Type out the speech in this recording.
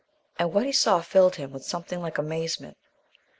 And what he saw filled him with something like amazement.